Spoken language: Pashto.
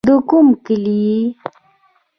د کوم کلي يې.